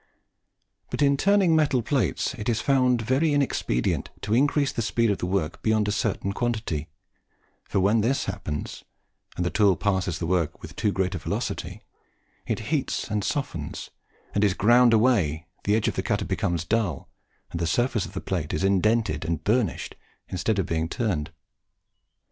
But in turning metal plates it is found very in expedient to increase the speed of the work beyond a certain quantity; for when this happens, and the tool passes the work at too great a velocity, it heats, softens, and is ground away, the edge of the cutter becomes dull, and the surface of the plate is indented and burnished, instead of being turned.